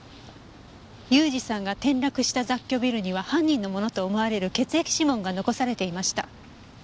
雄二さんが転落した雑居ビルには犯人のものと思われる血液指紋が残されていました。